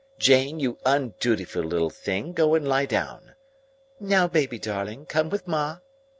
Jane, you undutiful little thing, go and lie down. Now, baby darling, come with ma!"